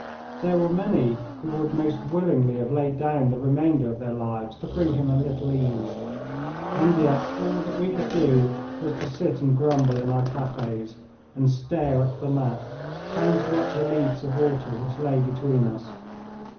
There were many who would most willingly have laid down the remainder of their lives to bring him a little ease, and yet all that we could do was to sit and grumble in our cafes and stare at the map, counting up the leagues of water which lay between us.